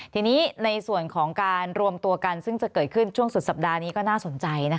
ทีนี้ในส่วนของการรวมตัวกันซึ่งจะเกิดขึ้นช่วงสุดสัปดาห์นี้ก็น่าสนใจ